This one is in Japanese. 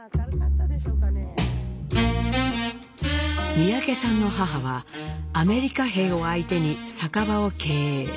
三宅さんの母はアメリカ兵を相手に酒場を経営。